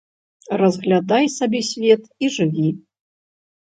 Разглядай сабе свет і жыві.